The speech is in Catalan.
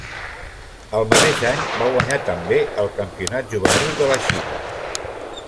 El mateix any va guanyar també el campionat juvenil de la Xina.